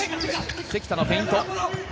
関田のフェイント。